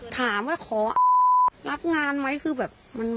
ถามว่าขอรับงานไหมคือแบบ